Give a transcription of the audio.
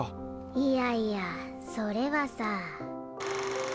いやいやそれはさ。